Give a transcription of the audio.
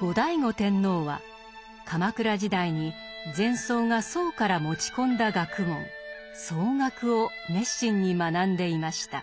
後醍醐天皇は鎌倉時代に禅僧が宋から持ち込んだ学問宋学を熱心に学んでいました。